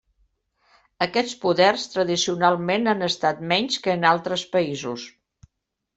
Aquests poders tradicionalment han estat menys que en altres països.